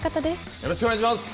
よろしくお願いします。